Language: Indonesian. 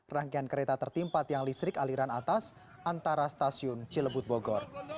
rangkaian kereta tertimpa tiang listrik aliran atas antara stasiun cilebut bogor